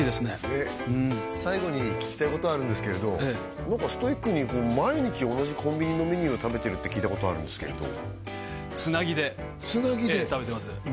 ねっ最後に聞きたいことあるんですが何かストイックに毎日同じコンビニのメニューを食べてるって聞いたことあるんですけれどつなぎで食べてます